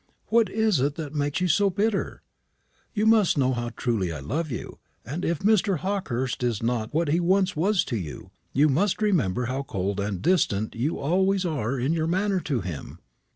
What is it that makes you so bitter? You must know how truly I love you. And if Mr. Hawkehurst is not what he once was to you, you must remember how cold and distant you always are in your manner to him.